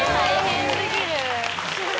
大変過ぎる。